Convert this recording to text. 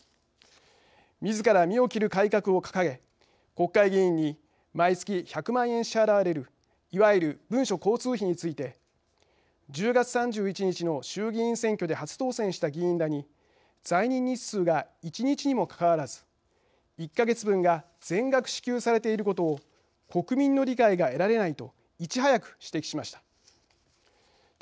みずから身を切る改革を掲げ国会議員に毎月１００万円支払われるいわゆる文書交通費について１０月３１日の衆議院選挙で初当選した議員らに在任日数が１日にもかかわらず１か月分が全額支給されていることを国民の理解が得られないといち早く指摘しました。